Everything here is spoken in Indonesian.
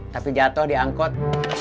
tapi jatuh diangkut